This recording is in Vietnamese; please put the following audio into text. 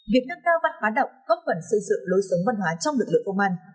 việc nâng cao văn hóa đọc góp phần xây dựng lối sống văn hóa trong lực lượng công an